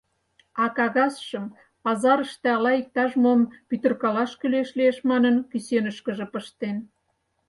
А кагазшым пазарыште ала иктаж-мом пӱтыркалаш кӱлеш лиеш манын, кӱсенышкыже пыштен.